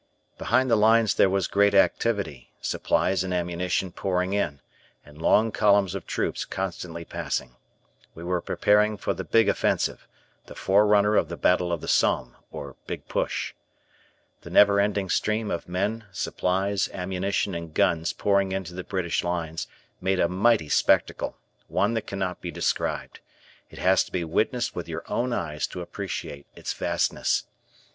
Behind the lines there was great activity, supplies and ammunition pouring in, and long columns of troops constantly passing. We were preparing for the big offensive, the forerunner of the Battle of the Somme or "Big Push." The never ending stream of men, supplies, ammunition, and guns pouring into the British lines made a mighty spectacle, one that cannot be described. It has to be witnessed with your own eyes to appreciate its vastness.